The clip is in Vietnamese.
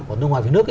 và nước ngoài về nước